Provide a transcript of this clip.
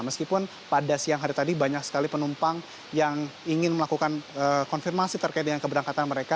meskipun pada siang hari tadi banyak sekali penumpang yang ingin melakukan konfirmasi terkait dengan keberangkatan mereka